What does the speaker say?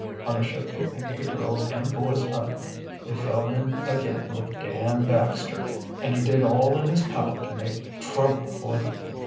On a ship that picked the girls and boys up they fell in again with Dan Baxter, and he did all in his power to make trouble for them.